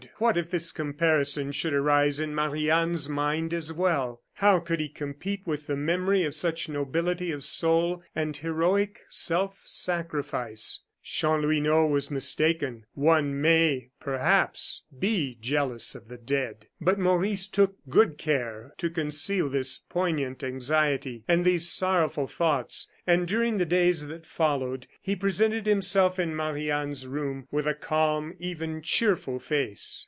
what if this comparison should arise in Marie Anne's mind as well? How could he compete with the memory of such nobility of soul and heroic self sacrifice? Chanlouineau was mistaken; one, may, perhaps, be jealous of the dead! But Maurice took good care to conceal this poignant anxiety and these sorrowful thoughts, and during the days that followed, he presented himself in Marie Anne's room with a calm, even cheerful face.